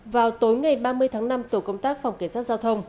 vào tối ngày ba mươi tháng năm tổ công tác phòng cảnh sát giao thông